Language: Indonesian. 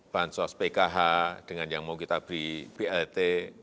bansos pkh dengan yang mau kita beri bat